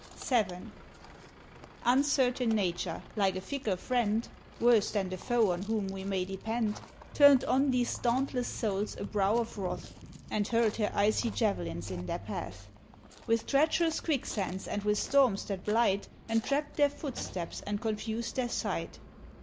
VII. Uncertain Nature, like a fickle friend, (Worse than the foe on whom we may depend) Turned on these dauntless souls a brow of wrath And hurled her icy jav'lins in their path. With treacherous quicksands, and with storms that blight, Entrapped their footsteps and confused their sight.